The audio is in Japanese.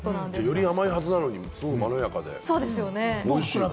より甘いはずなのに、すごくまろやかでおいしい！